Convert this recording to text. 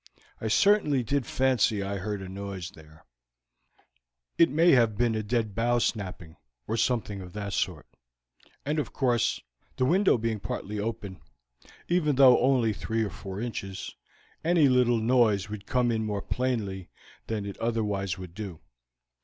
I certainly did fancy I heard a noise there; it may have been a dead bough snapping, or something of that sort; and of course, the window being partly open, even though only three or four inches, any little noise would come in more plainly than it otherwise would do.